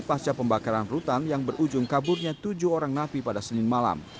pasca pembakaran rutan yang berujung kaburnya tujuh orang napi pada senin malam